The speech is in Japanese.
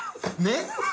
ねっ？